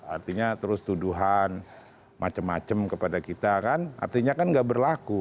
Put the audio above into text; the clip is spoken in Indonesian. artinya terus tuduhan macem macem kepada kita kan artinya kan gak berlaku